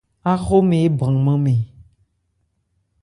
Áhromɛn ébranman mɛn.